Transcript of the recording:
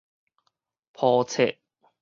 簿冊